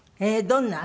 どんな？